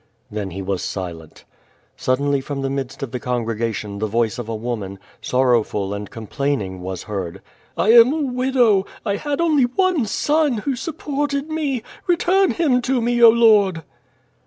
Then he was silent. Suddenly from the midst of the congregation the voice of a woman, sorrowful and complaining, was heard. "I am a widow. I had only one son, who supported me. Return him to me, 0 Lord!"